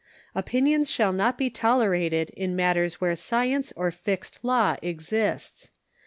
Opinions shall not be tolera ted in matters where science or fixed law exists.